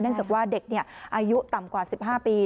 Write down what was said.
จากว่าเด็กอายุต่ำกว่า๑๕ปี